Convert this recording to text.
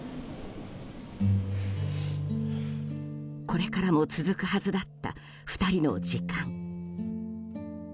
これからも続くはずだった２人の時間。